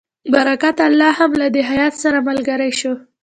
برکت الله هم له دې هیات سره ملګری شو.